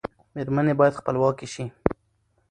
میرمنې باید خپلواکې شي.